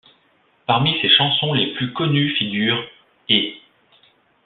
Parmi ses chansons les plus connues figurent ' et '.